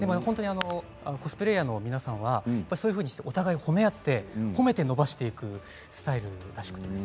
コスプレイヤーの皆さんはそういうふうにしてお互いを思いやって褒めて伸ばしていくスタイルらしいです。